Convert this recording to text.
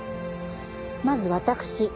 まず「私」